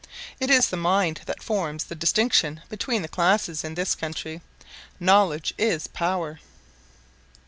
It is the mind that forms the distinction between the classes in this country "Knowledge is power!"